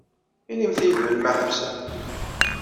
Inimt-yi-d melmi ad ḥebseɣ.